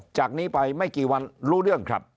จากนี้ไปไม่กี่วันรู้เรื่องครับ